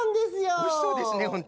おいしそうですねホント。